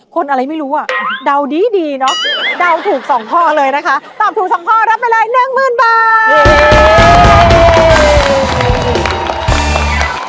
คนอะไรไม่รู้อ่ะเดาดีเนาะเดาถูกสองข้อเลยนะคะตอบถูกสองข้อรับไปเลย๑๐๐๐๐บาท